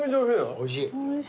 おいしい。